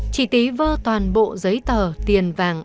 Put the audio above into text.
chị tí vơ toàn bộ giấy tờ tiền vàng